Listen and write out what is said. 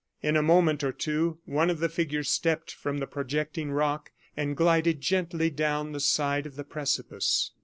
In a moment or two one of the figures stepped from the projecting rock and glided gently down the side of the precipice.